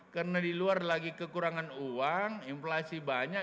karena di luar lagi kekurangan uang inflasi banyak